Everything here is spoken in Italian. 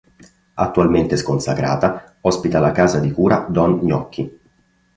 Attualmente sconsacrata, ospita la casa di cura Don Gnocchi.